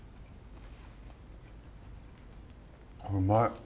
うまい！